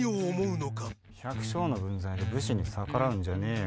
百姓の分際で武士に逆らうんじゃねえよ